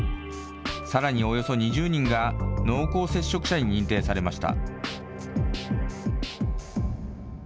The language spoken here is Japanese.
さらに、およそ２０人が濃厚接触者に認定されました。